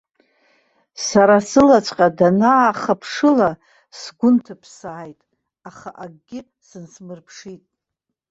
Сара сылаҵәҟьа данаахыԥшыла сгәы нҭыԥсааит, аха акгьы сынсмырԥшит.